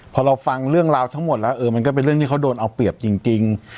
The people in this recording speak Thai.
พอเราฟังเรื่องราวทั้งหมดแล้วเออมันก็เป็นเรื่องที่เขาโดนเอาเปรียบจริง